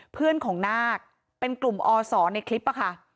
เพื่อนของนาคเป็นกลุ่มอศในคลิปค่ะ